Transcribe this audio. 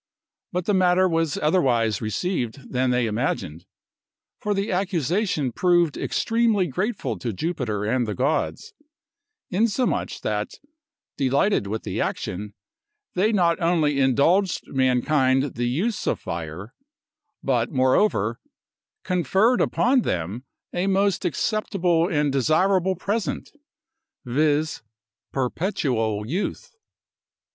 But the matter was otherwise received than they imagined; for the accusation proved extremely grateful to Jupiter and the gods, insomuch that, delighted with the action, they not only indulged mankind the use of fire, but moreover conferred upon them a most acceptable and desirable present, viz: perpetual youth.